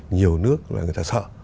nhiều nước là người ta sợ